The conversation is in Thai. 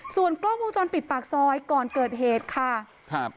ส่วนกล้องวงจรปิดปากซอยก่อนเกิดเหตุค่ะครับ